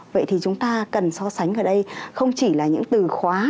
vậy thì chúng ta cần so sánh ở đây không chỉ là những từ khóa